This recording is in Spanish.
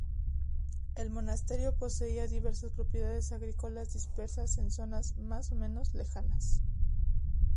El monasterio poseía diversas propiedades agrícolas dispersas en zonas más o menos lejanas.